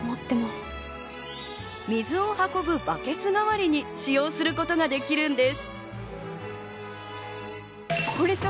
水を運ぶバケツ代わりに使用することができるんです。